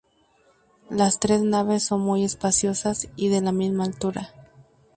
Las tres naves son muy espaciosas y de la misma altura.